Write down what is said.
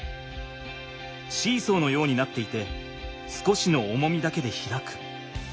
シーソーのようになっていて少しの重みだけで開く。